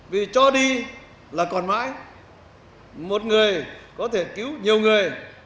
vì cho đi là còn mãi một người có thể cứu nhiều người